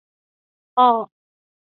闻名的特产是竹手工艺品。